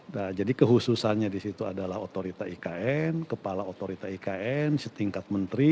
nah jadi kehususannya disitu adalah otorita ikn kepala otorita ikn setingkat menteri